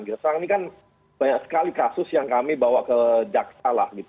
karena ini kan banyak sekali kasus yang kami bawa ke jaksa lah gitu